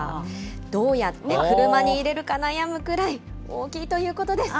どうやって車に入れるか悩むくらい、大きいということです。